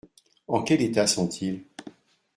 En quel état sont-ils ?